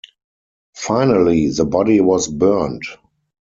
Finally, the body was burned.